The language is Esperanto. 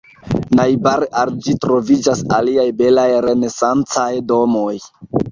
Najbare al ĝi troviĝas aliaj belaj renesancaj domoj.